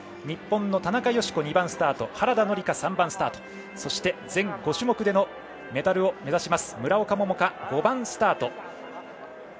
日本の田中佳子、２番スタート原田紀香、３番スタートそして全５種目でのメダルを目指します村岡桃佳、５番スタート。